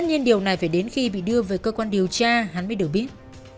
tuy nhiên điều này phải đến khi bị đưa về cơ quan điều tra hắn mới được biết